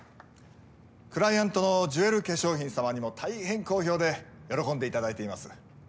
クライアントのジュエル化粧品様にもたいへん好評で喜んでいただいています。